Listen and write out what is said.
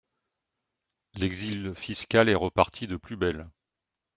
L’exil fiscal est reparti de plus belle.